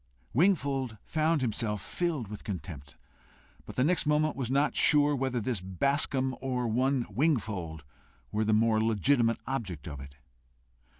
Wingfold found himself filled with contempt, but the next moment was not sure whether this Bascombe or one Wingfold were the more legitimate object of it.